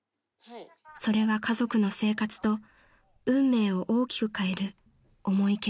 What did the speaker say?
［それは家族の生活と運命を大きく変える重い決断］